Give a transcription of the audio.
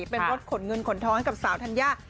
เป็นรถขนเงินขนท้องให้กับสาวธัญญา